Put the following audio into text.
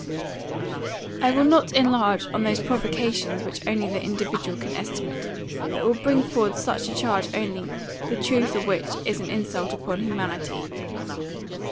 "I will not enlarge on those provocations which only the individual can estimate; but will bring forward such charges only, the truth of which is an insult upon humanity.